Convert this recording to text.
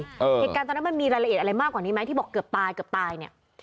เหตุการณ์ตอนนั้นมันมีรายละเอียดอะไรมากกว่านี้ไหมที่บอกเกือบตายเกือบตายเนี่ย